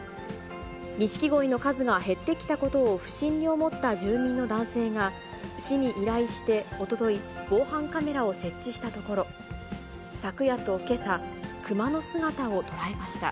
ニシキゴイの数が減ってきたことを不審に思った住民の男性が、市に依頼しておととい、防犯カメラを設置したところ、昨夜とけさ、クマの姿を捉えました。